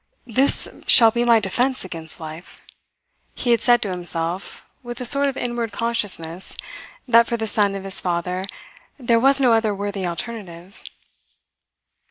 "This shall be my defence against life," he had said to himself with a sort of inward consciousness that for the son of his father there was no other worthy alternative.